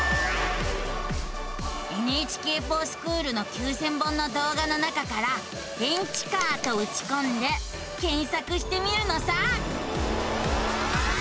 「ＮＨＫｆｏｒＳｃｈｏｏｌ」の９，０００本の動画の中から「電池カー」とうちこんで検索してみるのさ。